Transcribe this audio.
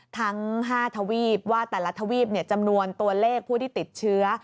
ทั้ง๕ทวีปว่าแต่ละทวีปจำนวนตัวเลขผู้ที่ติดเชื้อ